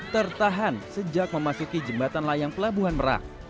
tertahan sejak memasuki jembatan layang pelabuhan merak